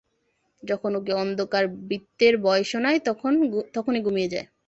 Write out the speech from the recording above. যখন ওকে অন্ধকার বৃত্তের ভয় শুনাই, তখনি ঘুমিয়ে যায়।